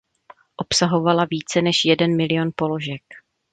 Obsahovala více než jeden milion položek.